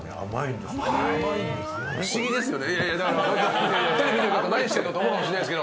不思議ですよね。